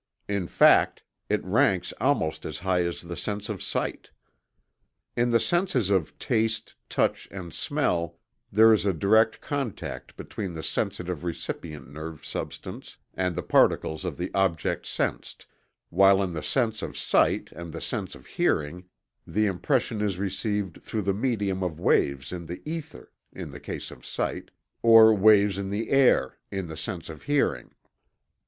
In fact, it ranks almost as high as the sense of sight. In the senses of taste, touch, and smell there is a direct contact between the sensitive recipient nerve substance and the particles of the object sensed, while in the sense of sight and the sense of hearing the impression is received through the medium of waves in the ether (in the case of sight), or waves in the air (in the sense of hearing.)